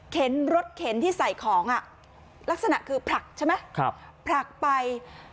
รถเข็นที่ใส่ของลักษณะคือผลักใช่ไหมผลักไป